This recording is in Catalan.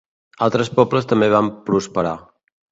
Altres pobles també van prosperar.